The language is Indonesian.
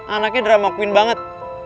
anaknya drama queen banget